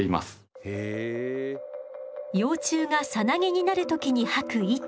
幼虫がサナギになる時に吐く糸